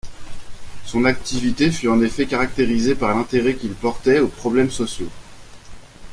Son activité fut en effet caractérisée par l'intérêt qu'il portait aux problèmes sociaux.